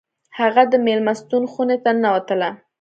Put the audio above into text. هغه د میلمستون خونې ته ننوتله